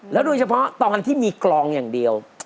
โดยเฉพาะตอนที่มีกลองอย่างเดียว